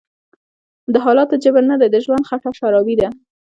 دحالاتو_جبر_نه_دی_د_ژوند_خټه_شرابي_ده